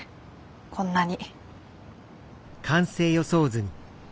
こんなに。